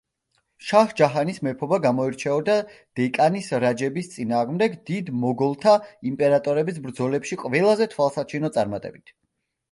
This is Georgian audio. შაჰ ჯაჰანის მეფობა გამოირჩეოდა დეკანის რაჯების წინააღმდეგ დიდ მოგოლთა იმპერატორების ბრძოლებში ყველაზე თვალსაჩინო წარმატებებით.